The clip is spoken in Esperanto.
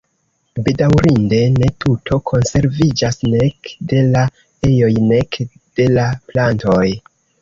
Bedaŭrinde ne tuto konserviĝas, nek de la ejoj nek de la plantoj.